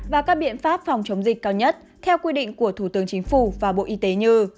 và các biện pháp phòng chống dịch cao nhất theo quy định của thủ tướng chính phủ và bộ y tế như